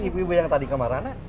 ibu ibu yang tadi kemana